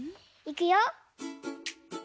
いくよ。